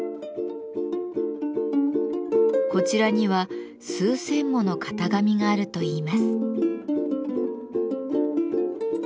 こちらには数千もの型紙があるといいます。